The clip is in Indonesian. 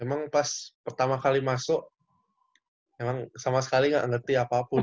emang pas pertama kali masuk emang sama sekali nggak ngerti apapun